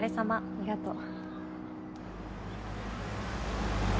ありがとう。